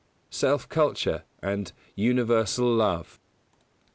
Self culture and universal love.